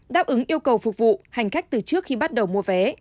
đáp ứng yêu cầu phục vụ hành khách từ trước khi bắt đầu mua vé